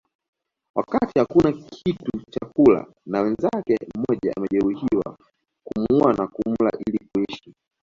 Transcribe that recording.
Wakati hakuna kitu cha kula na mwenzako mmoja amejeruhiwa kumuua na kumla ili kuishi